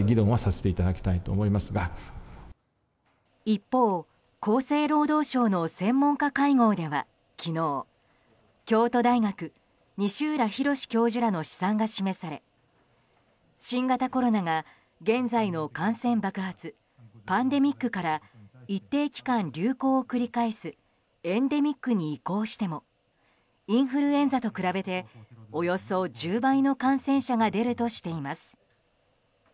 一方、厚生労働省の専門家会合では昨日京都大学・西浦博教授らの試算が示され新型コロナが現在の感染爆発パンデミックから一定期間、流行を繰り返すエンデミックに移行してもインフルエンザと比べておよそ１０倍の感染者が出るとしています。